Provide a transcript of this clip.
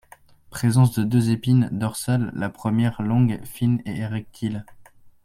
Présence de deux épines dorsales, la première est longue, fine et érectile.